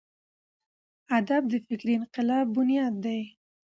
ادب د فکري انقلاب بنیاد دی.